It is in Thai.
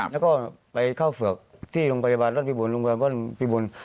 แล้วก็ไปเข้าเสือกที่โรงพยาบาลร้านพิบุญร้านพิบุญ